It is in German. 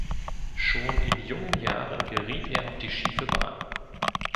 Schon in jungen Jahren geriet er auf die schiefe Bahn.